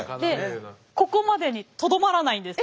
ここまでにとどまらないんです。